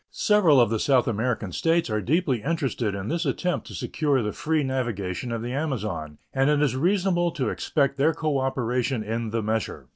Several of the South American States are deeply interested in this attempt to secure the free navigation of the Amazon, and it is reasonable to expect their cooperation in the measure.